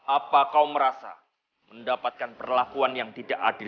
apa kau merasa mendapatkan perlakuan yang tidak adil